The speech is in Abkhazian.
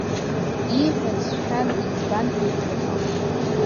Ииҳәаз шәан-иӡбан ҳәа иԥхьаӡон.